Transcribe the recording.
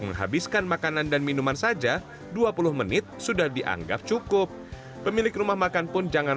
menghabiskan makanan dan minuman saja dua puluh menit sudah dianggap cukup pemilik rumah makan pun jangan